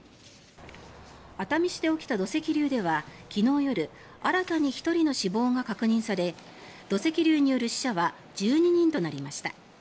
熱海市で起きた土石流では昨日夜新たに１人の死亡が確認され土石流による死者は１２人となりました。